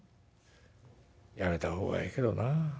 「やめた方がええけどなあ。